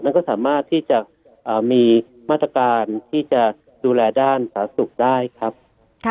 แล้วก็สามารถที่จะมีมาตรการที่จะดูแลด้านสาธารณสุขได้ครับ